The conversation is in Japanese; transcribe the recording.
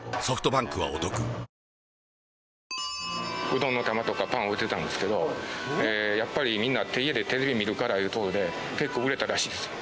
「ＮＯＮＩＯ」うどんの玉とかパンを売ってたんですけどやっぱりみんな家でテレビ見るからいう事で結構売れたらしいです。